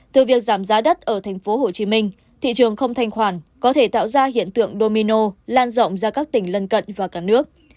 từ việc giảm giá đất ở thành phố hồ chí minh thị trường không thanh khoản có thể tạo ra hiện tượng domino lan rộng ra các tỉnh lân cận và cả nước